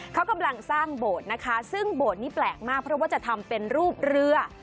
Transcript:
เขากำลังสร้างโบสถ์นะคะซึ่งโบสถ์นี้แปลกมากเพราะว่าจะทำเป็นรูปเรือ